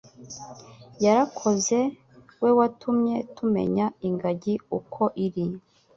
Yarakoze we watumye tumenya ingagi uko iri,